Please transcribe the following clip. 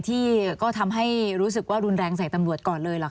ที่ก็ทำให้รู้สึกว่ารุนแรงใส่ตำรวจก่อนเลยเหรอค